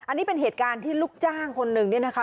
อันนี้เป็นเหตุการณ์ที่ลูกจ้างคนหนึ่งเนี่ยนะคะ